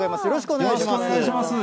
よろしくお願いします。